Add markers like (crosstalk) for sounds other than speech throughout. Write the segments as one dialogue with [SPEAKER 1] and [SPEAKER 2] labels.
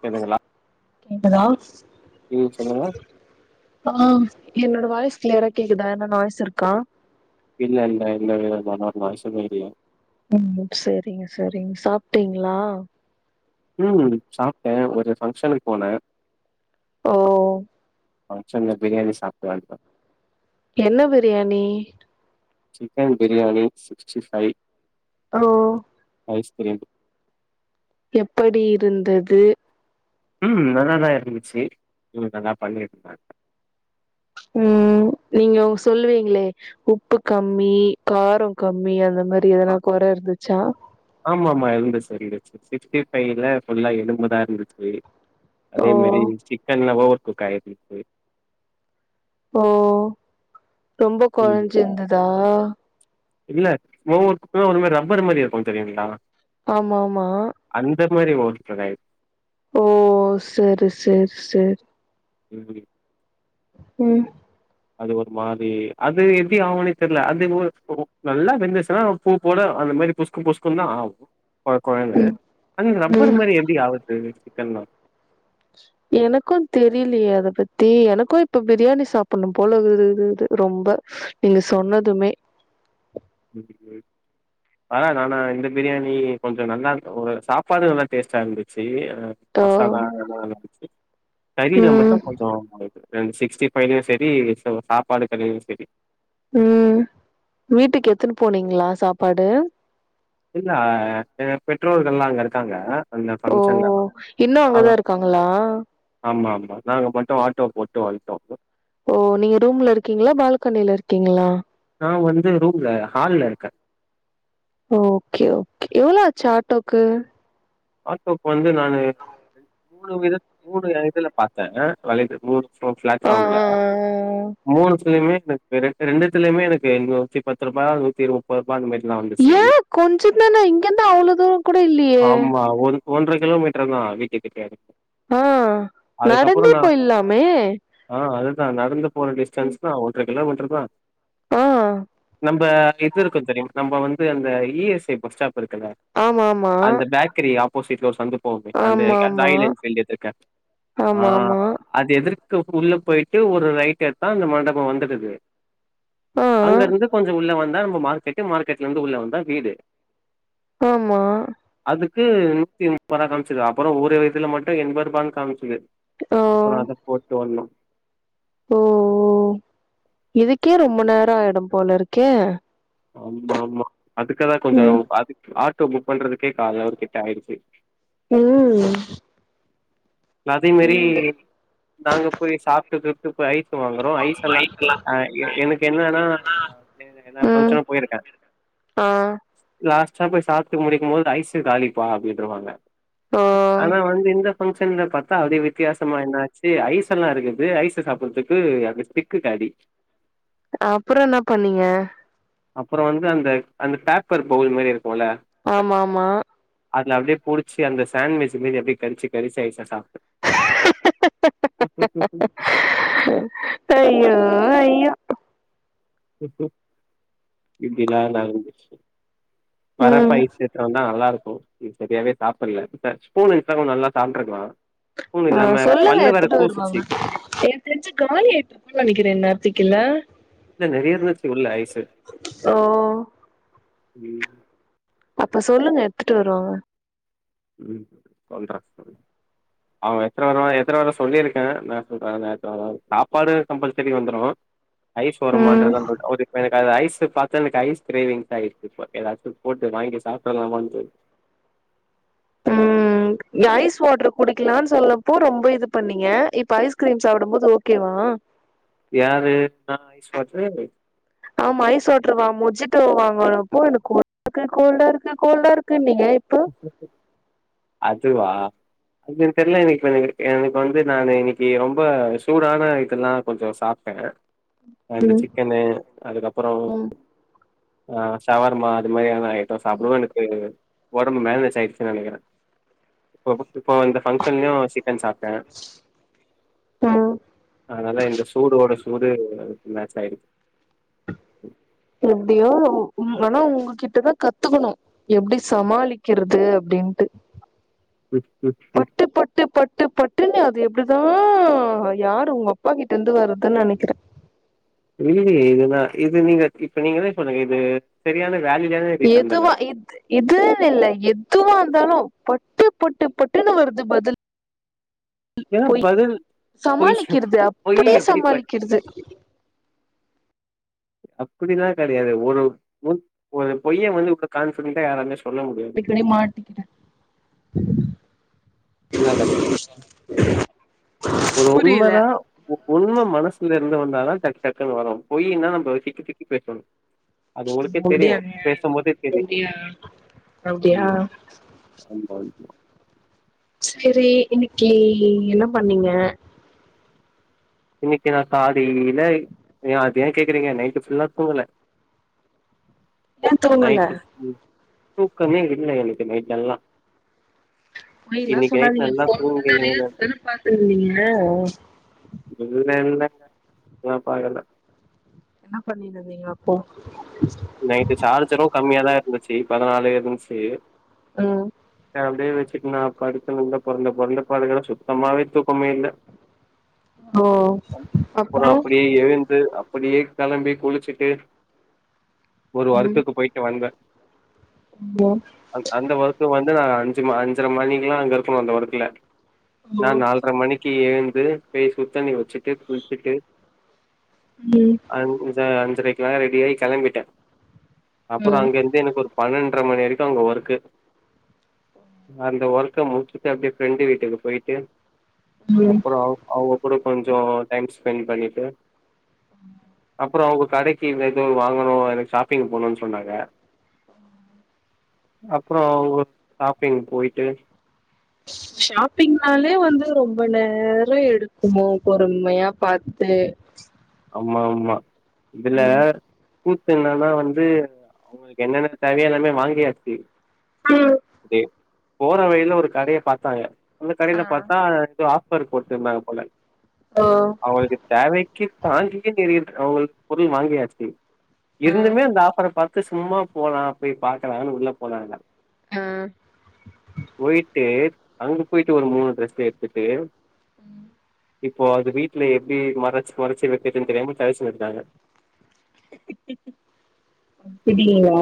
[SPEAKER 1] கேக்குதுங்ளா
[SPEAKER 2] கேக்குதா
[SPEAKER 1] ம் சொல்லுங்க
[SPEAKER 2] ஆ என்னோட வாய்ஸ் கிளியரா கேக்குதா என்ன நாய்ஸ் இருக்கா
[SPEAKER 1] இல்ல இல்ல இல்ல வேற நா நா நாய்ஸ் ஏதும் இல்ல
[SPEAKER 2] ம் செரிங்க செரிங் சாப்ட்டீங்ளா
[SPEAKER 1] ம் சாப்ட்டே ஒரு ஃபங்ஷனுக்கு போன
[SPEAKER 2] ஓ
[SPEAKER 1] ஃபங்ஷன்ல பிரியாணி சாப்ட்டு வன்ட
[SPEAKER 2] என்ன biryani
[SPEAKER 1] chicken biryani sixty five
[SPEAKER 2] ஓ
[SPEAKER 1] ஐஸ் பிரியாணி
[SPEAKER 2] எப்படி இருந்தது
[SPEAKER 1] ம் நல்லாதா இருந்துச்சு ம் நல்லா பண்ணிருந்தா
[SPEAKER 2] ம் நீங்க உ சொல்லுவீங்ளே உப்பு கம்மி காரொ கம்மி அந்த மாரி எதனா கொற இருந்துச்சா
[SPEAKER 1] ஆமா ஆமா இருந்துச்சு இருந்துச்சு சிக்ஸ்டி ஃபைவ்ல ஃபுல்லா எலும்பதா இருந்துச்சு அதே
[SPEAKER 2] ஓ
[SPEAKER 1] மாரி சிக்கன் லவ்வொ குக் ஆயிந்துச்சு
[SPEAKER 2] ஓ ரொம்ப
[SPEAKER 1] ம்
[SPEAKER 2] கொழஞ்சிந்ததா
[SPEAKER 1] இல்ல ஒவர் குக்ல ஒரு மாரி ரப்பர் மாரி இருக்கு தெரியுங்களா
[SPEAKER 2] ஆமா ஆமா
[SPEAKER 1] அந்த மாரி ஓ கெடையா
[SPEAKER 2] ஓ சரி சரி சரி
[SPEAKER 1] ம்
[SPEAKER 2] ம்
[SPEAKER 1] அது ஒரு மாரி அது எப்டி ஆவுன்னே தெரில அது ஒ ஒ நல்லா வெந்துச்சுன்னா ஃபூ போட அந்த மாரி பொஸ்க் பொஸ்க்குன் தா ஆவு கொழ கொழன்னு
[SPEAKER 2] ம்
[SPEAKER 1] அந்த
[SPEAKER 2] ம்
[SPEAKER 1] ரப்பர் மாரி எப்டி ஆவுது சிக்கன்ல
[SPEAKER 2] எனக்கு தெரியிலையே அத பத்தி எனக்கு இப்ப பிரியாணி சாப்பிட்ணு போல இருக்குது இது ரொம்ப நீங்க சொன்னதுமே
[SPEAKER 1] வீட்டுக்கு போய் ஆ நானா இந்த பிரியாணி கொஞ்ச நல்லா ஒரு சாப்பாடு நல்லா டேஸ்ட்டா இருந்துச்சு ஆ மசாலா எல்லா நல்லாந்ச்சு கரியில மட்டு
[SPEAKER 2] ம்
[SPEAKER 1] கொஞ்சோ (unintelligible) ரெண் சிக்ஸ்டி ஃபைவ்லயு சரி சோ சாப்பாடு கரிலயு சரி
[SPEAKER 2] ம் வீட்டுக்கு எத்துன்னு போனீங்களா சாப்பாடு
[SPEAKER 1] இல்ல ஆ எ பெற்றோர்கள்லா அங்க இருக்காங்க அந்த
[SPEAKER 2] ஓ
[SPEAKER 1] ஃபங்ஷன்ல
[SPEAKER 2] இன்னு
[SPEAKER 1] ஆ
[SPEAKER 2] அங்கதா இருக்காங்களா
[SPEAKER 1] ஆமா ஆமா நாங்க மட்டு ஆட்டோ போட்டு வந்ட்டோ
[SPEAKER 2] ஓ நீங்க ரூம்ல இருக்கீங்களா பால்கனில இருக்கீங்களா
[SPEAKER 1] நா வந்து ரூம்ல ஹால்ல இருக்கே
[SPEAKER 2] ஓகே ஓகே எவ்ளோ ஆச்சு ஆட்டோக்கு
[SPEAKER 1] ஆடோக்கு வந்து நானு மூணு வித மூணு இதுல பாத்தே வெலைய மூணு சோ
[SPEAKER 2] ஆ
[SPEAKER 1] பிளாட்ஃபாம்ல
[SPEAKER 2] ஆ ஆ ஆ.
[SPEAKER 1] மூணுத்லையுமே எனக்கு ரெண்டுத்துலயுமே எனக்கு நூத்தி பத்து ரூபா நூத்தி முப்ப ரூபா அந்த மாரிலா தா வந்துச்சு
[SPEAKER 2] கொஞ்சந்தானே இங்கெந்து அவ்ளோ தூரோ கூட இல்லையே
[SPEAKER 1] ஆ ஒரு ஒன்ர கிலோமீட்டர் தா வீட்டு கிட்டேய இரு
[SPEAKER 2] ஆ நடந்தே போயிலாமே
[SPEAKER 1] ஆ அதுதா நடந்து போன டிஸ்டன்ஸ்தா ஒன்ர கிலோமீட்டர் தா
[SPEAKER 2] ஆ
[SPEAKER 1] நம்ப இது இருக்கு தெரியு நம்ப வந்து அந்த E S I bus stop இருக்குல
[SPEAKER 2] ஆமா ஆமா
[SPEAKER 1] அந்த பேக் ரி ஆப்போசிட்ல ஒரு சந்து போவுமே அந்த
[SPEAKER 2] ஆமா
[SPEAKER 1] இ அந்த
[SPEAKER 2] ஆமா
[SPEAKER 1] ராயல் என்ஃபீல்ட் எதிர்க்க ஆ
[SPEAKER 2] ஆமா ஆமா
[SPEAKER 1] அது எதிர்க உள்ள போயிட்டு ஒரு ரைட் எத்தா அந்த மண்டபோ வந்துடுது
[SPEAKER 2] ஆ
[SPEAKER 1] அங்க இருந்து கொஞ்ச உள்ள வந்தா நம்ம மார்க்கெட்டு மார்க்கெட்ல இருந்து உள்ள வந்தா வீடு
[SPEAKER 2] ஆமா
[SPEAKER 1] க்கு நூத்தி முப்ப ரூபா காமிச்சுது அப்புறோ ஒரு இதுல மட்டு என்ப ரூபான்னு காம்ச்சுது
[SPEAKER 2] ஓ
[SPEAKER 1] அப்புறோ அத போட்டு வந்தோ
[SPEAKER 2] ஓ ஓ இதுக்கே ரொம்ப நேரோ ஆயிடு போல இருக்கே
[SPEAKER 1] ஆமா ஆமா அதுக்குதா கொஞ்சோ
[SPEAKER 2] ம்
[SPEAKER 1] அது ஆட்டோ புக் பண்றதுக்கே கால் ஹவர்கிட்ட ஆயிடுச்சு
[SPEAKER 2] ம்
[SPEAKER 1] அதே மாரி நாங்க போய் சாப் ப்ட்டுடுட்டு போய் ஐஸ் வாங்குறோ ஐஸ் எல்லா அ எ எனக்கு என்னன்னா எனக் எல்லா
[SPEAKER 2] ம்
[SPEAKER 1] ஃபங்க்ஷனு போயிருக்கே
[SPEAKER 2] ஆ
[SPEAKER 1] லாஸ்டா போய் சாப்டு முடிக்கும் போது ஐஸு காலிப்பா அப்டின்ருவாங்க
[SPEAKER 2] ஓ
[SPEAKER 1] ஆனா வந்து இந்த டைம்னு பாத்தா அப்டியே வித்தியாசமா என்னாச்சு ஐஸ் எல்லா இருக்குது ஐஸ சாப்புட்றதுக்கு அது ஸ்டிக்கு காலி
[SPEAKER 2] அப்புறோ என்ன பண்ணீங்க
[SPEAKER 1] அப்பறம் வந்து அந்த அந்த பேப்பர் பவுல் மாதிரி இருக்கும்ல
[SPEAKER 2] ஆமாமா
[SPEAKER 1] அது அப்டியே புடிச்சி அந்த சாண்விச் மி எப்படி கடிச்ச கரிச்சு வைக்கட்டா (unintelligible)
[SPEAKER 2] ஐயோ ஐயோ
[SPEAKER 1] (unintelligible)
[SPEAKER 2] ம்
[SPEAKER 1] வரப்பயிற்சியத்த வந்தா நல்லா இருக்கும் ம் சரியாவே சாப்பிட்ல சார் ஸ்பூனு (unintelligible) நல்லா சாப்பிட்டுருக்கலாம்
[SPEAKER 2] ஆஹ் சொல்லுங்க எடுத்துட்டு வருவாங்க எனக் தெரிஞ்சு காலியாய்ட்னு நினைக்கிறே இன்நேரத்துக்கில்ல
[SPEAKER 1] இல்ல நறைய இருந்துச்சு உள்ள ஐசு
[SPEAKER 2] ஓ
[SPEAKER 1] ம்
[SPEAKER 2] அப்போ சொல்லுங்க எடுத்துட்டு வருவாங்க
[SPEAKER 1] உம் சொல்ற அவன் எத்தன வர எத்தன வர சொல்லியிருக்கேன் நான் (unintelligible) சாப்பாடு கம்பல்சரி வந்துரு ஐஸ்
[SPEAKER 2] ம்
[SPEAKER 1] (unintelligible) அது ஐஸ் பாத்தனுக்கு ஐஸ் கிரேவிங்ஸ் ஆய்ட்ச்சு இப்ப ஏதாச்சு போட்டு வாங்கி சாப்ட்ரலமொன்று
[SPEAKER 2] ம் ஐஸ் வாட்டர் குடிக்கலாம்னு சொல்லப்போ ரொம்ப இது பண்ணீங்க இப்ப ஐஸ்கிரீம் சாப்பிடும் போது ஓகேவா
[SPEAKER 1] யாரு ஜஸ் போட்டு
[SPEAKER 2] ஆமா ஐஸ்ோட்டுருவா முடிச்சிட்டு போவாங்கப்போ எனக்கு கோல்டா இருக்கு கோல்டா இருக்கு கோல்டா இருக்கு நீங்க இப்ப
[SPEAKER 1] அதுவா எனக் தெர்ல இன்னைக் எனக்கு வந்து நானு இன்னைக்கு ரொம்ப சூடான ஐட்டோ தான் கொஞ்சோ சாப்ட் (unintelligible) அந்த
[SPEAKER 2] ம்
[SPEAKER 1] சிக்கனு அதுக்கப்றோ
[SPEAKER 2] ம்
[SPEAKER 1] அஹ் சவர்மா அது மாதிரியான ஐட்டோ சாப்டுவே எனக்கு ஓடம்பு மேனேஜ் ஆய்டுச்சுனு நினைக்கிறே (unintelligible) இப்போ வந்த ஃபங்க்ஷன்லயூ சிக்கன் சாப்ட்டே
[SPEAKER 2] ம்
[SPEAKER 1] அதுனாலா இந்த சூடோட சூடு மேட்ச் ஆய்டுச்
[SPEAKER 2] எப்டியோ ஆனா உங்ககிட்டதான் கத்துக்கணு எப்டி சமாளிக்கிறது அப்படின்ட்டு
[SPEAKER 1] (inaudible)
[SPEAKER 2] பொட்டு பொட்டு பொட் திரும்பயு அது எப்டிதான் யாரு உங்க அப்பா கிட்ட இருந்து வர்றதுன்னு நினைக்கிறே
[SPEAKER 1] இல்லேயே இதுதான் இது நீங்க இப்ப நீங்க (unintelligible) சரியான வேலிடாவே
[SPEAKER 2] எதுவா இது இதுனு இல்ல எதுவ இருந்தாலு பட்டு பட்டு பட்டுன்னு வருது பதில் இ
[SPEAKER 1] ஏன்னா
[SPEAKER 2] பொய்
[SPEAKER 1] பதில் பொய் சொ-
[SPEAKER 2] சமாளிக்கிறது
[SPEAKER 1] பொய்
[SPEAKER 2] அப்டியே
[SPEAKER 1] எப்படி ப
[SPEAKER 2] சமாளிக்கிறது
[SPEAKER 1] அப்டிலா கிடையாது ஒரு ஒரு பொய்ய வந்து இவ்ளோ கான்ஃபிடென்டா யாராலயு சொல்
[SPEAKER 2] அடிக்கடி மாட்டிக்கிட்டே
[SPEAKER 1] இப்படிதான் கனி ஒரு உண்ம
[SPEAKER 2] புரியல
[SPEAKER 1] தான் உண்மை மனசுல இருந்து வந்தாதா டக்டக்குனு வரு பொயின்னா நம்ம திக்கிதிக்கி பேசணு அது உங்களுக்கே
[SPEAKER 2] அப்டியா
[SPEAKER 1] தெரியும் பேசும் போதே தெரி
[SPEAKER 2] அப்டியா அப்டியா
[SPEAKER 1] (unintelligible)
[SPEAKER 2] செரி இன்னெக்கி என்ன பண்ணீங்க
[SPEAKER 1] இன்னெக்கி நான் சாதீல எ அது ஏ கேக்குறீங்க நைட்டு ஃபுல்லா தூங்கல
[SPEAKER 2] ஏ தூங்கல
[SPEAKER 1] நைட்டு தூக்கமே இல்ல எனகு நைட்டெல்லா
[SPEAKER 2] பொய்லா சொல்லாதீங்க
[SPEAKER 1] நல்லா
[SPEAKER 2] போன் வந்து
[SPEAKER 1] தூங்கினேன் நானு
[SPEAKER 2] ரீல்ஸ் தான பாத்துந்தீங்க
[SPEAKER 1] இல்ல இல்ல நா பாக்கல
[SPEAKER 2] என்னா பண்ணிருந்தீங்க அப்போ
[SPEAKER 1] நைட்டு சார்ஜரு கம்மியா தா இருந்துச்சு பதினாலு இருந்சு
[SPEAKER 2] ம்
[SPEAKER 1] அப்டியே வச்சுட்டு நா படுத்து நல்லா பொறன்டு பொறன்டு படுக்குற சுத்தமாவே தூக்கமே இல்ல
[SPEAKER 2] ஓ
[SPEAKER 1] அப்புறோ
[SPEAKER 2] அப்றோ
[SPEAKER 1] அப்டியே எழுந் து அப்படியே கெளம்பி குளிச்சுட்டு ஒரு
[SPEAKER 2] ம்
[SPEAKER 1] ஒர்க்குக்கு போயிட்டு வந்த
[SPEAKER 2] ம்
[SPEAKER 1] அ அந்த ஒர்க்கு வந்து நா அஞ்சு அஞ்சர மணிக்குலா அங்க இருக்கணு அந்த ஒர்க்கல நா
[SPEAKER 2] ஓ
[SPEAKER 1] நால்ர மணிக்கு எழுந்து போய் சுடுத்தண்ணி வச்சுட்டு குளிச்சுட்டு
[SPEAKER 2] ம்
[SPEAKER 1] அஞ்ச அஞ்சரைக்கெல்லா ரெடியாயி கெளம்பிட்ட அப்புற
[SPEAKER 2] ம்
[SPEAKER 1] அங்க இருந்து எனக்கு ஒரு பன்னெண்டரை மணி வரைக்கு அங்க ஒர்க்கு அந்த ஒர்க்க க முடிச்சுட்டு அப்டியே ஃப்ரெண்டு வீட்டுக்கு போயிட்டு
[SPEAKER 2] ம்
[SPEAKER 1] அப்புற அவுங்க கூட கொஞ்சோ டைம் ஸ்பெண்ட் பண்ணிட்டு
[SPEAKER 2] ம்
[SPEAKER 1] அப்புற அவங்க கடைக்கு இந்த ஏதோ வாங்கணு எனக்கு ஷாப்பிங் போனுன் சொன்னாங்க
[SPEAKER 2] ஹ
[SPEAKER 1] அப்புற உங்க ஷாப்பிங் போயிட்டு
[SPEAKER 2] ஷாப்பிங்னாலே வந்து ரொம்ப நேரம் எடுக்குமோ பொறுமையா பாத்து
[SPEAKER 1] ஆமா ஆமா இதுல
[SPEAKER 2] ம்
[SPEAKER 1] கூத்து என்னன்னா வந்து அவங்களுக்கு என்னென்ன தேவையோ எல்லாமே வாங்கியாச்சு
[SPEAKER 2] ம்.
[SPEAKER 1] போற வழியில ஒரு கடைய பார்த்தாங்க அந்த கடைல
[SPEAKER 2] ஆ
[SPEAKER 1] பார்த்தா எதோ ஆஃபர் போட்டு இருந்தாங்க போல
[SPEAKER 2] ஓ
[SPEAKER 1] அவங்களுக்கு தேவைக்கு தாங்கிக்கே தெரிது அவுங்ளுக் பொருள் வாங்கியாச்சு
[SPEAKER 2] ஆ
[SPEAKER 1] இருந்துமே அந்த ஆஃபர பார்த் து சும்மா போலா போய் பாக்கலான் உள்ள போனாங்க
[SPEAKER 2] ஆ
[SPEAKER 1] போயிட்டு அங்க போயிட்டு ஒரு மூணு ட்ரெஸ் எடுத்துட்டு
[SPEAKER 2] ம்
[SPEAKER 1] இப்போ அது வீட்ல எப்டி மறச்சு மறச்சு வெக்கதுன்னு தெரியாம தவிச்சுன்னு இருக்காங்க
[SPEAKER 2] அப்படிங்ளா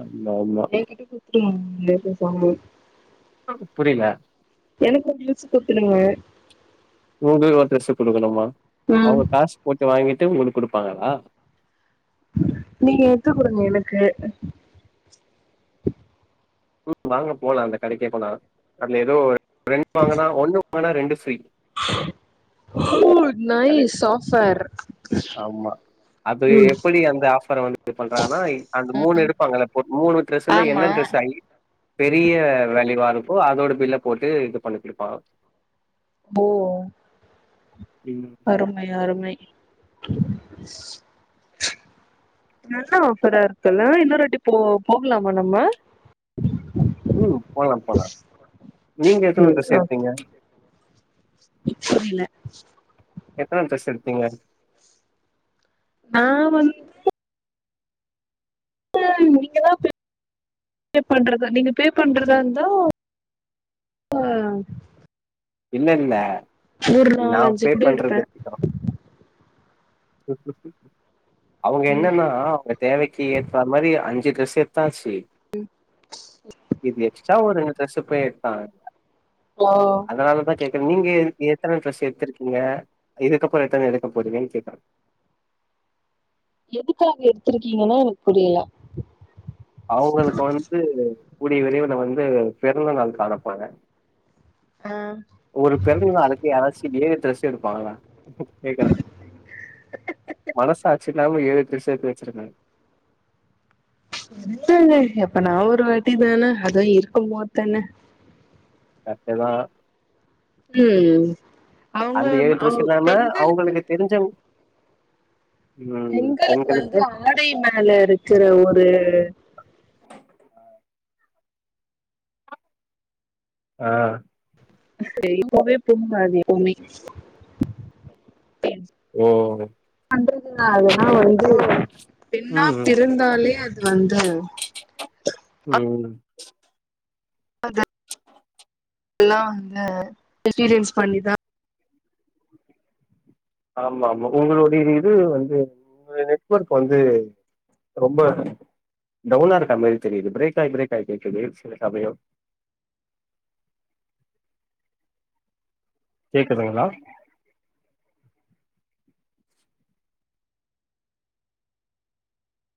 [SPEAKER 1] ஆமா ஆமா
[SPEAKER 2] என்கிட்ட கூட் (unintelligible)
[SPEAKER 1] புரில
[SPEAKER 2] எனக்கு ட்ரெஸ் குத்துடுங்க
[SPEAKER 1] உங்களுக் ஒரு ட்ரெஸ் குடுக்கணுமா
[SPEAKER 2] ம்
[SPEAKER 1] அவங்க காசு போட்டு வாங்கிட்டு உங்களுக் குடுப்பாங்களா
[SPEAKER 2] நீங்க எத்து குடுங்க எனக்கு
[SPEAKER 1] வாங்க போலா அந்த கடைகே போலான் அதுல ஏதோ ரெண்டு வாங்கனா ஒண்ணு வாங்கனா ரெண்டு ஃப்ரீ
[SPEAKER 2] ஓ
[SPEAKER 1] அந்த கடைல
[SPEAKER 2] நைஸ் ஆப்ஃவர்
[SPEAKER 1] ஆமா அது எப்படி அந்த ஆஃபர வந்து இது பண்றாங்கனா அந்த மூணு எடுப்பாங்கள ஒரு மூணு ட்ரெஸ்ஸுல
[SPEAKER 2] ஆமா
[SPEAKER 1] என்ன டிரெஸ் ஹை பெரிய வேலிவா இருக்கோ அதோட பில்ல போட்டு இது பண்ணி குடுப்பாங்க
[SPEAKER 2] ஓ
[SPEAKER 1] ம்
[SPEAKER 2] அருமை அருமை நல்ல ஆஃபரா இருக்குல்ல இன்னொரு வாட்டி போ போகலாமா நம்ம
[SPEAKER 1] ம் போலா போலா நீங்க எத்தன டிரஸ் எடுத்தீங்க
[SPEAKER 2] புரில
[SPEAKER 1] எத்தன டிரஸ் எடுத்தீங்க
[SPEAKER 2] நா வந் ப நீங்க தா பே பண்றதா நீங்க பே பண்றதா இருந்தா ஆ
[SPEAKER 1] இல்ல இல்ல
[SPEAKER 2] ஒரு
[SPEAKER 1] நா
[SPEAKER 2] நாலஞ்சு
[SPEAKER 1] பே
[SPEAKER 2] கூட
[SPEAKER 1] பண்றது
[SPEAKER 2] எடுப்பே
[SPEAKER 1] இருக்கட்டோ அவுங்க
[SPEAKER 2] ம்
[SPEAKER 1] என்னன்னா அவுங்க தேவைக்கு ஏற்றா மாரி அஞ்சு டிரஸ் எடுத்தாச்சி இது எக்ஸ்ட்ரா ஒரு ரெண்டு டிரஸ் பேய் எடுத்தா
[SPEAKER 2] ஆ
[SPEAKER 1] அதனாலதா கேக்குறே நீங்க எத் எத்தன டிரஸ் எடுத்திருக்கீங்க இதுக்கப்புறோ எத்தன எடுக்க போறிங்கன்னு கேக்குறே
[SPEAKER 2] எதுக்காக எடுத்திருக்கீங்கன்னா எனக்கு புரில
[SPEAKER 1] அவுங்களுக்கு வந்து கூடிய விரைவுல வந்து பிறந்த நாள் காண போறே
[SPEAKER 2] ஆ
[SPEAKER 1] ஒரு பிறந்தநாளுக்கு யாராச்சு ஏழு டிரஸ் எடுப்பாங்களா கேக்குறே மனசாட்சில்லாம ஏழு டிரஸ் எடுத்து வெச்சிருக்க
[SPEAKER 2] இல்ல இல்ல எப்பனா ஒரு வாட்டி தானே அதுவு இருக்கு போதுதானே
[SPEAKER 1] கரெக்டு தா
[SPEAKER 2] ம் அவங்க
[SPEAKER 1] அந்த ஏழு
[SPEAKER 2] அவ்
[SPEAKER 1] டிரஸ் இல்லாம
[SPEAKER 2] பெண்களுக்கு
[SPEAKER 1] அவுங்களுக்கு தெரிஞ்சவங்
[SPEAKER 2] பெண்களுக்கு வந்து ஆடை மேல இருக்கற ஒரு
[SPEAKER 1] ஆ ஆ
[SPEAKER 2] எப்பவுமே பொங்காது எப்பவுமே சேரி
[SPEAKER 1] ஓ
[SPEAKER 2] பண்றது அதெல்லா வந்து பெண்ணா
[SPEAKER 1] ம்
[SPEAKER 2] பிறந்தாலே அது வந்து
[SPEAKER 1] ம்
[SPEAKER 2] எல்லா வந்து எக்ஸ்பீரியன்ஸ் பண்ணிதா
[SPEAKER 1] ஆமா ஆமா உங்களுடைய இது வந்து உங்க நெட்வொர்க் வந்து ரொம்ப டவுனா இருக்கா மாரி தெரியுது பிரேக் ஆயி பிரேக் ஆயி கேக்குது சில சமயோ கேக்குதுங்களா